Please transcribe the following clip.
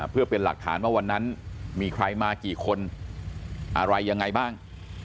เพื่อเป็นหลักฐานว่าวันนั้นมีใครมากี่คนอะไรยังไงบ้าง